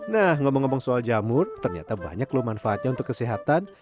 nah ngomong ngomong soal jamur ternyata banyak loh manfaatnya untuk kesehatan